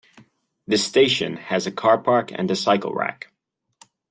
The station has a car park and cycle rack.